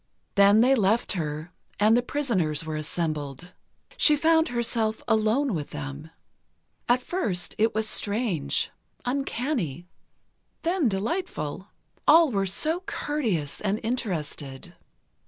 Then they left her, and the prisoners were assembled. She found herself alone with them. At first, it was strange, uncanny, then delightful. All were so courteous and interested.